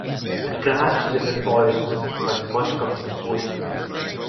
The crabs live in forests but must come to the coast to breed.